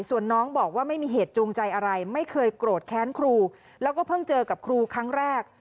ส่วนน้องบอกว่าไม่มีเหตุจูงใจอะไรไม่เคยโกรธแค้นครูแล้วก็เพิ่งเจอกับครูครั้งแรก